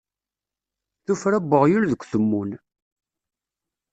Tuffra n uɣyul deg utemmun.